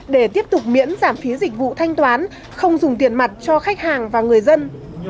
để tiếp tục miễn giảm phí dịch vụ thanh toán không dùng tiền mặt cho khách hàng và người dân